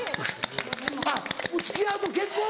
あっ付き合うと結婚？